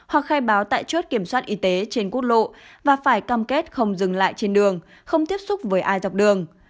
hoặc khai báo tại chốt kiểm soát y tế trên quốc lộ và phải cam kết không dừng lại trên đường không tiếp xúc với ai dọc đường